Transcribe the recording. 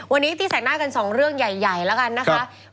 วันนี้ตีแสกหน้ากันสองเรื่องใหญ่แล้วกันนะคะ